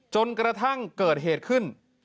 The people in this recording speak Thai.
จนกระทั่งเกิดเหตุขึ้น